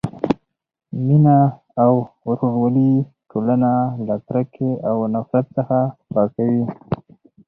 مینه او ورورولي ټولنه له کرکې او نفرت څخه پاکوي.